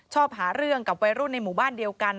หาเรื่องกับวัยรุ่นในหมู่บ้านเดียวกัน